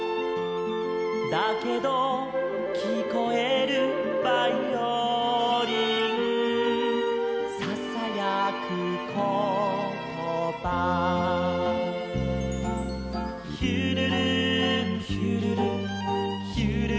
「だけどきこえるバイオリン」「ささやくことば」「ひゅるるんひゅるるひゅるるんひゅるる」